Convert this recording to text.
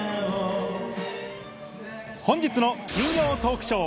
本日の金曜トークショー。